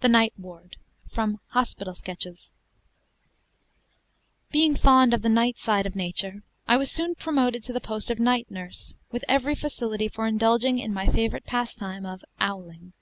THE NIGHT WARD From 'Hospital Sketches' Being fond of the night side of nature, I was soon promoted to the post of night nurse, with every facility for indulging in my favorite pastime of "owling."